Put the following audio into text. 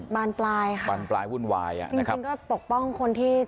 บานปลายค่ะบานปลายวุ่นวายอ่ะจริงจริงก็ปกป้องคนที่